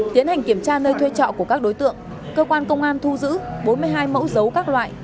tiến hành kiểm tra nơi thuê trọ của các đối tượng cơ quan công an thu giữ bốn mươi hai mẫu dấu các loại